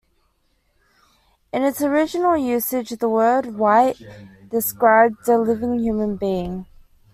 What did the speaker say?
In its original usage the word "wight" described a living human being.